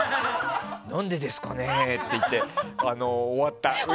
何でですかねえって言って終わった。